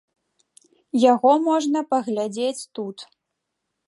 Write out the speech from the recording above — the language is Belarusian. Яго можна паглядзець тут.